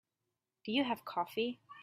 Do you have coffee?